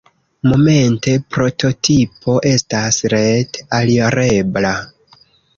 Momente prototipo estas ret-alirebla.